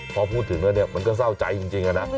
พอพูดถึงแล้วเนี่ยมันก็เศร้าใจจริงนะ